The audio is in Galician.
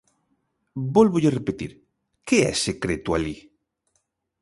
Vólvolle repetir, ¿que é secreto alí?